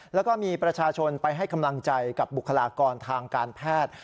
แล้วก็มีประชาชนไปให้กำลังใจกับบุคลากรทางการแพทย์